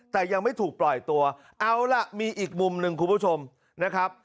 แต่ยังไม่ถูกปล่อยตัวเอาล่ะมีอีกมุมหนึ่งคุณผู้ชมนะครับ